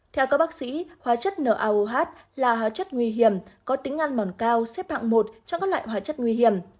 theo các bác sĩ hóa chất naoh là hóa chất nguy hiểm có tính ăn mòn cao xếp hạng một cho các loại hóa chất nguy hiểm